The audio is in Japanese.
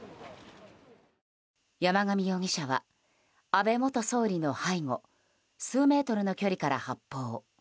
山上容疑者は安倍元総理の背後数メートルの距離から発砲。